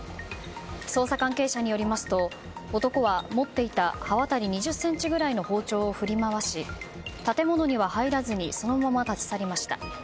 捜査関係者によりますと男は持っていた刃渡り２０ｃｍぐらいの包丁を振り回し建物には入らずにそのまま立ち去りました。